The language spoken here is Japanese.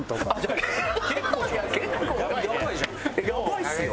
やばいですよ。